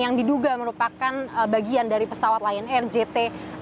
yang diduga merupakan bagian dari pesawat lion air jt enam ratus sepuluh